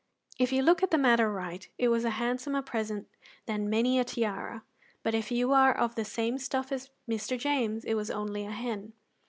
If you look at the matter aright it was a handsomer present than many a tiara, but if you are of the same stuff as Mr. James it was only a hen.